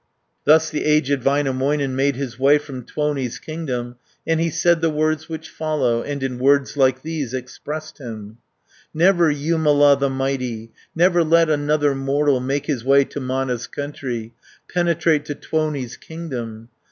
Thus the aged Väinämöinen Made his way from Tuoni's kingdom, And he said the words which follow, And in words like these expressed him: "Never, Jumala the mighty, Never let another mortal, 390 Make his way to Mana's country, Penetrate to Tuoni's kingdom!